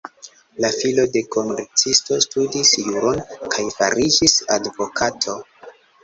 La filo de komercisto studis juron kaj fariĝis advokato.